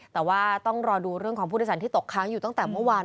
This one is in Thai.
แต่ว่าต้องรอดูเรื่องของผู้โดยสารที่ตกค้างอยู่ตั้งแต่เมื่อวาน